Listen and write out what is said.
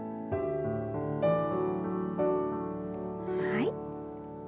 はい。